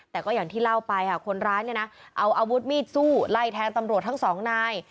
แต่ก็อย่างที่เล่าไปค่ะคนร้ายเนี่ยนะเอาอาวุธมีดสู้ไล่แทงตำรวจทั้งสองนาย